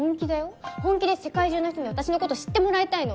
本気で世界中の人に私のこと知ってもらいたいの！